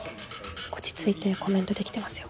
落ち着いてコメントできてますよ。